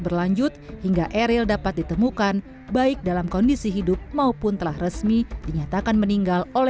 berlanjut hingga eril dapat ditemukan baik dalam kondisi hidup maupun telah resmi dinyatakan meninggal oleh